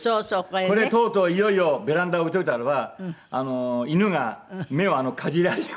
これとうとういよいよベランダに置いといたらば犬が目をかじられました。